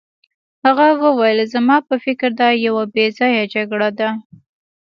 هغه وویل زما په فکر دا یوه بې ځایه جګړه ده.